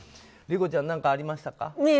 理子ちゃん、何かありましたか？